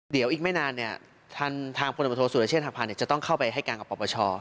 เดี๋ยวอีกไม่นานทางพตสุรเชษฐ์หักพานจะต้องเข้าไปให้การกับปปช